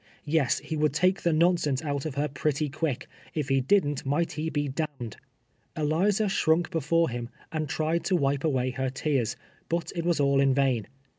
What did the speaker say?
Yes, he would take the nonsense out of her pretty quick — if he didn't, might he be d — d. Eliza shrunk before him, and tried to wipe away her tears, but it was all in vain.